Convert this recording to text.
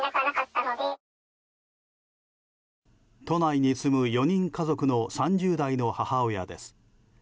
都内に住む４人家族の３０代の母親です。